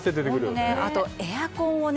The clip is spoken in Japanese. あと、エアコンをね。